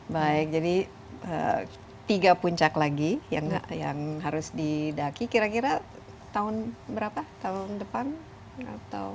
baik jadi tiga puncak lagi yang harus didaki kira kira tahun berapa tahun depan atau